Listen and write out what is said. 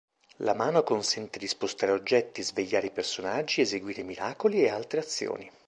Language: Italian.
La mano consente di spostare oggetti, svegliare i personaggi, eseguire miracoli e altre azioni.